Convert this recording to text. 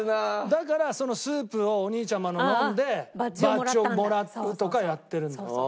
だからそのスープをお兄ちゃまの飲んでバッジをもらうとかやってるんだ。